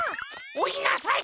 おいなさい！